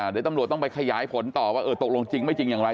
เดี๋ยวตำรวจต้องไปขยายผลต่อว่าเออตกลงจริงไม่จริงอย่างไร